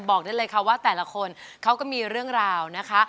บอกได้เลยค่ะว่าแต่ละคนเขาก็มีเรื่องราวนะคะ